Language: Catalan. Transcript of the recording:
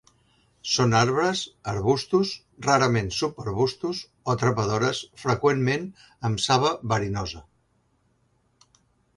Són arbres, arbustos, rarament subarbustos o trepadores, freqüentment amb saba verinosa.